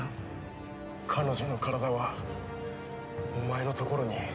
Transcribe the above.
彼女の体はお前のところに？